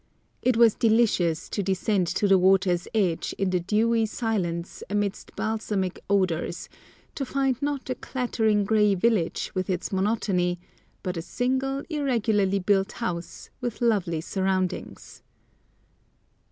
It was delicious to descend to the water's edge in the dewy silence amidst balsamic odours, to find not a clattering grey village with its monotony, but a single, irregularly built house, with lovely surroundings.